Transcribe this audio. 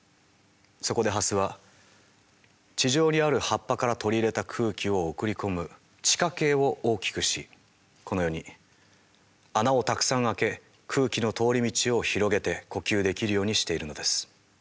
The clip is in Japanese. そこでハスは地上にある葉っぱから取り入れた空気を送り込む地下茎を大きくしこのように穴をたくさん開け空気の通り道を広げて呼吸できるようにしているのです。